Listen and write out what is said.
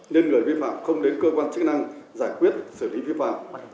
nên người vi phạm không đến cơ quan chức năng giải quyết xử lý vi phạm